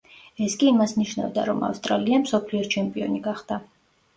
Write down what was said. ეს კი იმას ნიშნავდა რომ ავსტრალია მსოფლიოს ჩემპიონი გახდა.